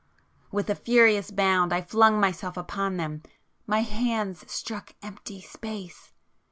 With a furious bound I flung myself upon them,—my hands struck empty space.